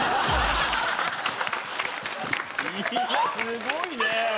いやすごいね。